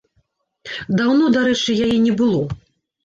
Даўно, дарэчы, яе не было.